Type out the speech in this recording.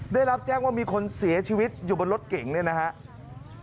ได้รับแจ้งว่ามีคนเสียชีวิตอยู่บนรถเก่งเนี่ยนะครับ